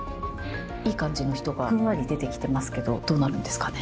いい感じの人がふんわり出てきてますけどどうなるんですかね。